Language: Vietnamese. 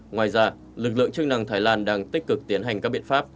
ngoài ra lực lượng chức năng thái lan đang tích cực tiến hành các biện pháp